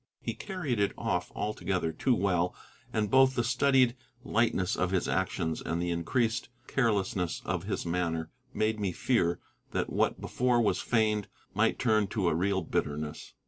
He carried it off altogether too well, and both the studied lightness of his actions and the increased carelessness of his manner made me fear that what before was feigned, might turn to a real bitterness.